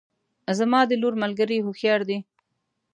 زما د لور ملګرې هوښیارې دي